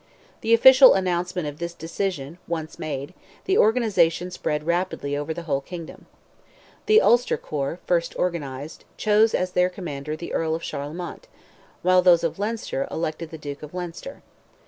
The official announcement of this decision once made, the organization spread rapidly over the whole kingdom. The Ulster corps, first organized, chose as their commander the Earl of Charlemont, while those of Leinster elected the Duke of Leinster.